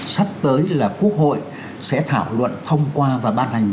sắp tới là quốc hội sẽ thảo luận thông qua và ban hành